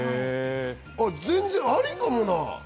全然ありかもな。